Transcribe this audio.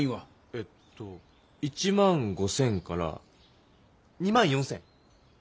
えっと１５０００から２４０００。